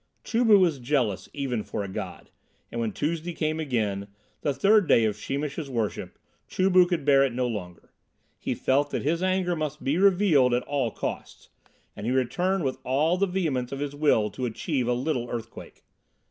Chu bu was jealous even for a god; and when Tuesday came again, the third day of Sheemish's worship, Chu bu could bear it no longer. He felt that his anger must be revealed at all costs, and he returned with all the vehemence of his will to achieving a little earthquake.